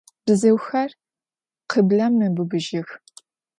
Бзыухэр къыблэм мэбыбыжьых